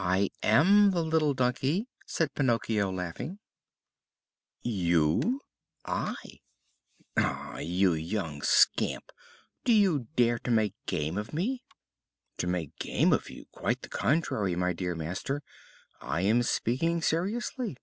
"I am the little donkey!" said Pinocchio, laughing. "You?" "I." "Ah, you young scamp!! Do you dare to make game of me?" "To make game of you? Quite the contrary, my dear master? I am speaking seriously."